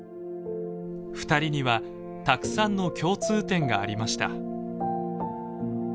２人にはたくさんの共通点がありました。